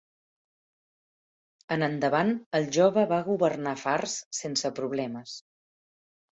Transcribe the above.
En endavant el jove va governar Fars sense problemes.